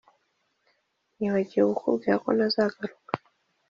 Nibagiwe kukubwira ko ntazagaruka